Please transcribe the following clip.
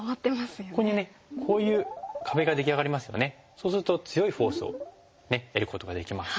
そうすると強いフォースを得ることができます。